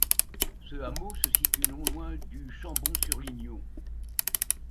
Ce hameau se situe non loin du Chambon-sur-Lignon.